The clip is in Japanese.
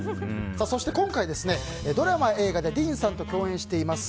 そして今回、ドラマや映画でディーンさんと共演しています